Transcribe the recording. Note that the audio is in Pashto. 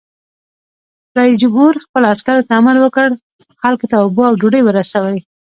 رئیس جمهور خپلو عسکرو ته امر وکړ؛ خلکو ته اوبه او ډوډۍ ورسوئ!